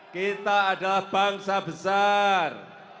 kita adalah bangsa besar